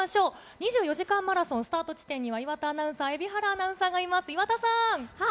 ２４時間マラソンスタート地点には、岩田アナウンサー、蛯原アナウンサーがいます、岩田さん。